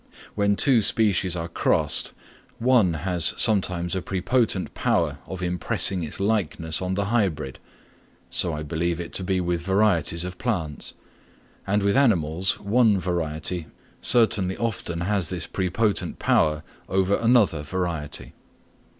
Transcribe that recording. When two species are crossed, one has sometimes a prepotent power of impressing its likeness on the hybrid. So I believe it to be with varieties of plants; and with animals, one variety certainly often has this prepotent power over another variety.